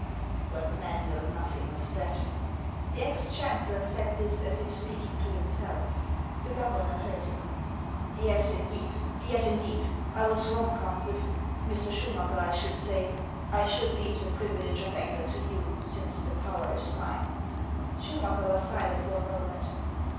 But men know nothing of that." The ex chancellor said this as if speaking to himself. The governor heard him. 264 HANS OK ICELAND. " Yes, indeed ! yes, indeed ! I was wrong, Count Grifi" Mr. Schumacker, I should say ; I should leave the privilege of auger to you, since the power i.s mine." Schumacker was silent for a moment.